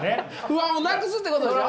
不安をなくすってことでしょ？